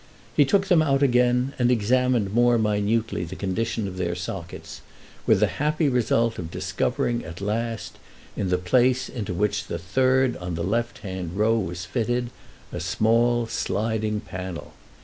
He took them out again and examined more minutely the condition of their sockets, with the happy result of discovering at last, in the place into which the third on the left hand row was fitted, a small sliding panel.